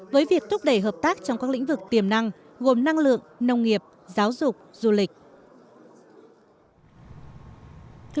với việc thúc đẩy hợp tác trong các lĩnh vực tiềm năng gồm năng lượng nông nghiệp giáo dục du lịch